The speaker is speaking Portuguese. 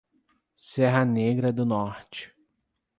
Serra Negra do Norte